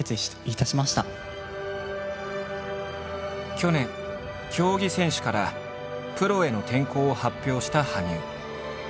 去年競技選手からプロへの転向を発表した羽生。